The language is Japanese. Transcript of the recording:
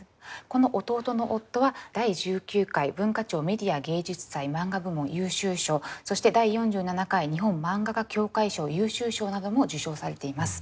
この「弟の夫」は第１９回文化庁メディア芸術祭マンガ部門優秀賞そして第４７回日本漫画家協会賞優秀賞なども受賞されています。